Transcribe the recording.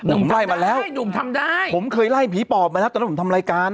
ไหมคะผมทำได้ผมเคยไล่ไปแล้วจำรายการอ่ะ